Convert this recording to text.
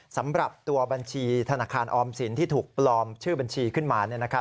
สำหรับตัวบัญชีธนาคารออมสินที่ถูกปลอมชื่อบัญชีขึ้นมา